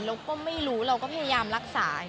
เราก็ไม่รู้เราก็พยายามรักษา